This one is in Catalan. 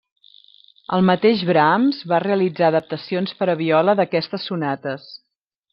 El mateix Brahms va realitzar adaptacions per a viola d'aquestes sonates.